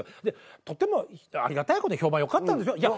でとてもありがたい事に評判よかったんですよ。